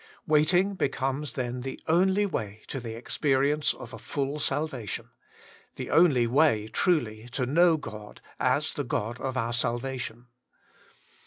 Waiting becomes then the only way to the experience of a full salva tion, the only way, truly, to know God as the God of our salvation.